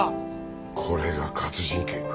これが活人剣か。